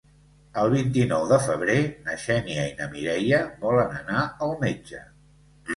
El vint-i-nou de febrer na Xènia i na Mireia volen anar al metge.